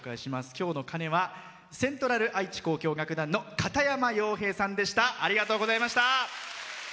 今日の鐘はセントラル愛知交響楽団の片山陽平さんでした。